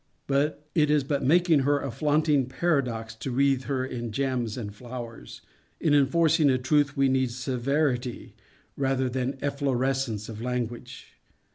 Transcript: It is but making her a flaunting paradox to wreathe her in gems and flowers. In enforcing a truth we need severity rather than efflorescence of language.